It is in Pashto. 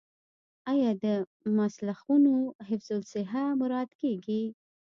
آیا د مسلخونو حفظ الصحه مراعات کیږي؟